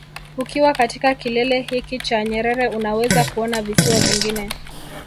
Ukiwa katika kilele hiki cha Nyerere unaweza kuona visiwa vingine